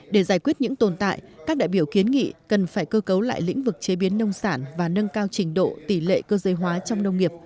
để giải quyết những tồn tại các đại biểu kiến nghị cần phải cơ cấu lại lĩnh vực chế biến nông sản và nâng cao trình độ tỷ lệ cơ giới hóa trong nông nghiệp